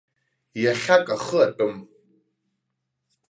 Иахьак ахы атәым.